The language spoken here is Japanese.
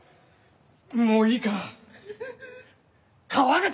もういいから。